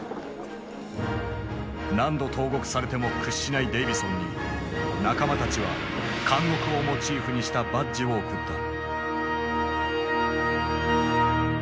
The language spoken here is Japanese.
何度投獄されても屈しないデイヴィソンに仲間たちは監獄をモチーフにしたバッジを贈った。